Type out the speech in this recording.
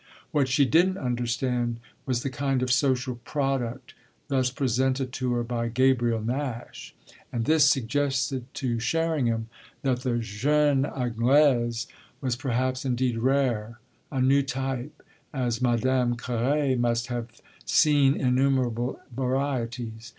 What she didn't understand was the kind of social product thus presented to her by Gabriel Nash; and this suggested to Sherringham that the jeune Anglaise was perhaps indeed rare, a new type, as Madame Carré must have seen innumerable varieties.